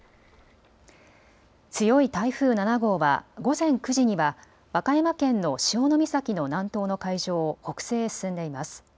強い台風７号は、午前９時には和歌山県の潮岬の南東の海上を北西へ進んでいます。